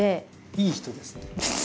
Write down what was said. いい人ですね。